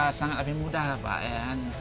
ya sangat lebih mudah pak ya kan